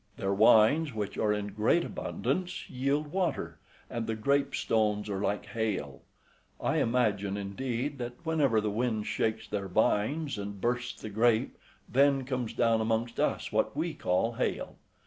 Their wines, which are in great abundance, yield water, and the grape stones are like hail; I imagine, indeed, that whenever the wind shakes their vines and bursts the grape, then comes down amongst us what we call hail.